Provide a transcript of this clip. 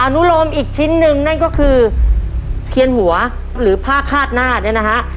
อนุโลมอีกชิ้นหนึ่งนั่นก็คือเคียนหัวหรือผ้าคาดหน้าเนี่ยนะฮะ